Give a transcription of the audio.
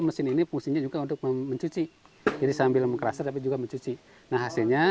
mesin ini fungsinya juga untuk mencuci jadi sambil mengkrasa tapi juga mencuci nah hasilnya